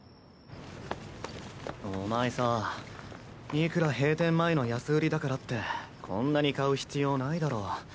お前さいくら閉店前の安売りだからってこんなに買う必要ないだろ。